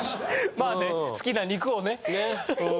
まあね好きな肉をね。